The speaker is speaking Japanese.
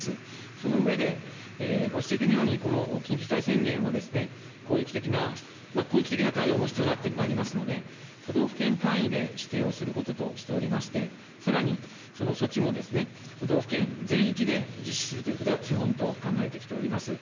その上で、ご指摘のようにこの緊急事態宣言は、広域的な、広域的な対応も必要になってまいりますので、都道府県単位で指定をすることとしておりまして、さらにその措置も、都道府県全域で実施するということが基本と考えてきております。